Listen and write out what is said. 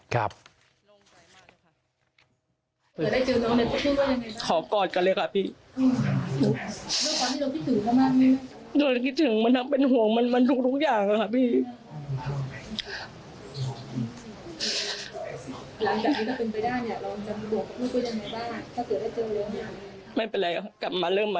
ครับ